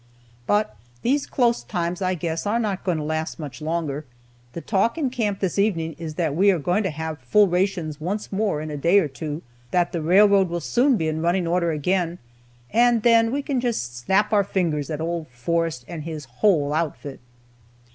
"But these close times I guess are not going to last much longer. The talk in camp this evening is that we are going to have full rations once more in a day or two, that the railroad will soon be in running order again, and then we can just snap our fingers at old Forrest and his whole outfit.